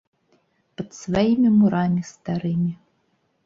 Пад сваімі мурамі старымі.